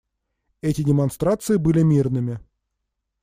Эти демонстрации были мирными.